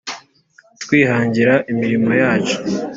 twihangira imirimo yacu,